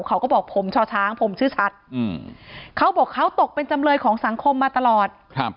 เขาก็บอกผมช่อช้างผมชื่อชัดเขาบอกเขาตกเป็นจำเลยของสังคมมาตลอด